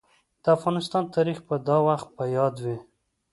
د افغانستان تاريخ به دا وخت په ياد وي.